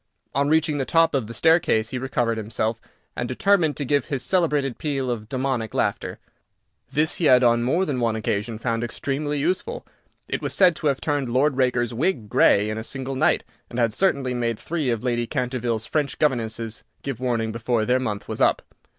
On reaching the top of the staircase he recovered himself, and determined to give his celebrated peal of demoniac laughter. This he had on more than one occasion found extremely useful. It was said to have turned Lord Raker's wig grey in a single night, and had certainly made three of Lady Canterville's French governesses give warning before their month was up.